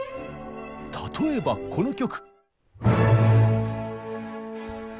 例えばこの曲。